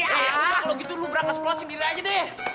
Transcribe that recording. eh kalau gitu lo berangkat sekolah sendiri aja deh